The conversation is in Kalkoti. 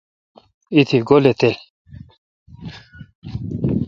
ایتی گولی تل۔